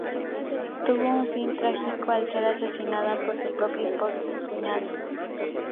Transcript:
Tuvo un fin trágico al ser asesinada por su propio esposo y su cuñado.